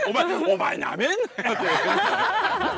「お前なめんなよ！」。